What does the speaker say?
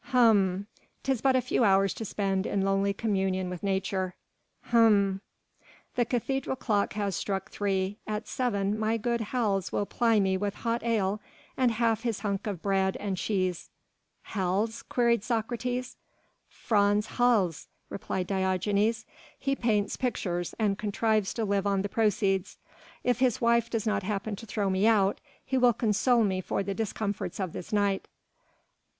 "Hm!" "'Tis but a few hours to spend in lonely communion with nature." "Hm!" "The cathedral clock has struck three, at seven my good Hals will ply me with hot ale and half his hunk of bread and cheese." "Hals?" queried Socrates. "Frans Hals," replied Diogenes; "he paints pictures and contrives to live on the proceeds. If his wife does not happen to throw me out, he will console me for the discomforts of this night."